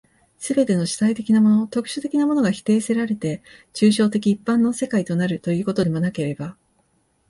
すべての主体的なもの、特殊的なものが否定せられて、抽象的一般の世界となるということでもなければ、